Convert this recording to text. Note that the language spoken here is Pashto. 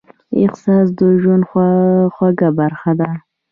احساس د ژوند خوږه برخه ده.